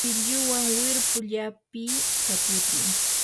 silluwan wirpu llapiy, kaputiy